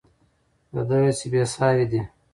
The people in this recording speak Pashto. د ده هڅې بې ساري دي.